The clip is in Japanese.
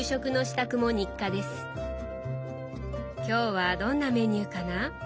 今日はどんなメニューかな？